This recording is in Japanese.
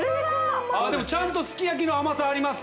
でもちゃんとすき焼きの甘さあります。